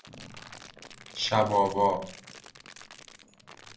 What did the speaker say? شب آوا